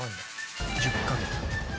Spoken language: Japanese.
１０カ月。